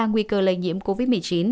nguy cơ lây nhiễm covid một mươi chín